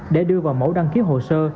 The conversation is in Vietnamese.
để đưa vào mẫu đăng ký hồ sơ